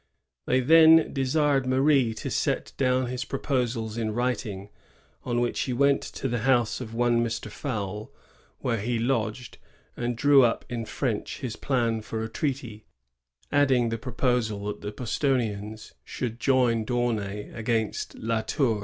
They then desired Marie to set down his proposals in writing; on which he went to the house of one Mr. Fowle, where he lodged, and drew up in French his plan for a treaty, adding the proposal that the Bostonians should join D'Aunay against La Tour.